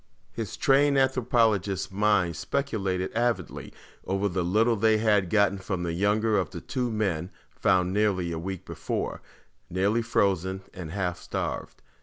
His trained anthropologist's mind speculated avidly over the little they had gotten from the younger of the two men found nearly a week before, nearly frozen and half starved.